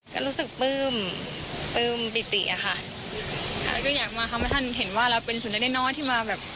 ค่ะแล้วก็อยากมาค่ะเมื่อท่านเห็นว่าเราเป็นส่วนได้ได้น้อยที่มาแบบ